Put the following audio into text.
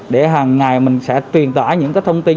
để hàng ngày mình sẽ truyền tỏa những thông tin